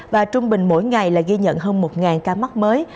và trung bình mỗi ngày là ghi nhận hơn một ca mắc mới